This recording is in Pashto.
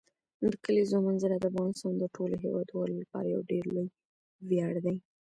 د کلیزو منظره د افغانستان د ټولو هیوادوالو لپاره یو ډېر لوی ویاړ دی.